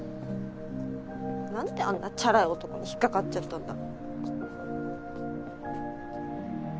なんであんなチャラい男に引っかかっちゃったんだろ。